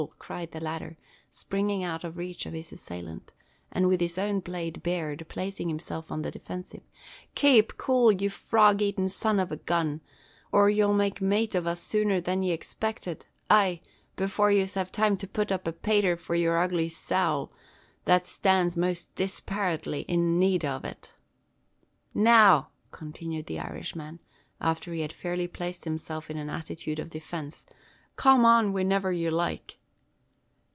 cried the latter, springing out of reach of his assailant; and with his own blade bared, placing himself on the defensive. "Kape cool, ye frog atin' son av a gun, or ye'll make mate for us sooner than ye expected, ay, before yez have time to put up a pater for yer ugly sowl, that stans most disperately in nade ov it. "Now," continued the Irishman, after he had fairly placed himself in an attitude of defence; "come an whiniver yer loike.